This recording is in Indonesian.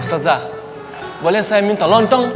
ustadzah boleh saya minta lontong